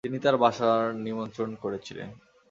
তিনি তার বাসায় নিমন্ত্রণ করেছিলেন।